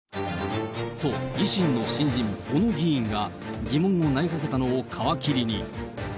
と、維新の新人、議員が疑問を投げかけたのを皮切りに。